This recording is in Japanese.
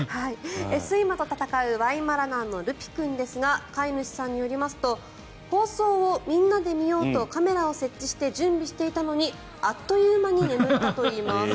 睡魔と闘うワイマラナーのるぴ君ですが飼い主さんによりますと放送をみんなで見ようとカメラを設置して準備していたのにあっという間に眠ったといいます。